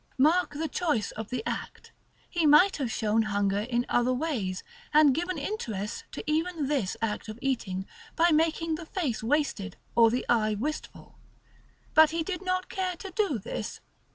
Mark the choice of the act. He might have shown hunger in other ways, and given interest to even this act of eating, by making the face wasted, or the eye wistful. But he did not care to do this.